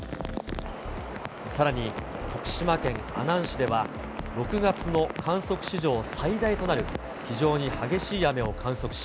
さらに徳島県阿南市では、６月の観測史上最大となる非常に激しい雨を観測し。